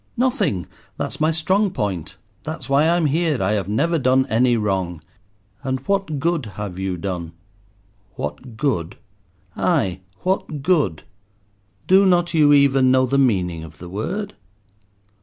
"Nothing; that is my strong point; that is why I am here. I have never done any wrong." "And what good have you done?" "What good!" "Aye, what good? Do not you even know the meaning of the word?